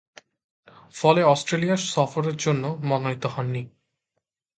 ফলে অস্ট্রেলিয়া সফরের জন্য মনোনীত হননি।